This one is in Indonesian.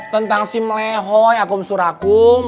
tentang si melehoi akum suraku